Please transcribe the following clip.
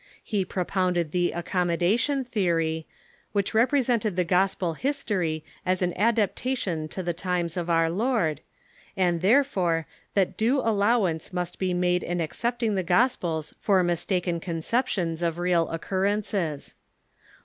He propounded the Accom modation theory, which represented the gospel his tory as an adaptation to the times of our Lord, and, therefore, that due allowance must be made in accepting the Gospels for mistaken conceptions of real occurrences.